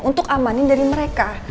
untuk amanin dari mereka